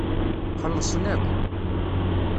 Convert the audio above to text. Xellṣen akk.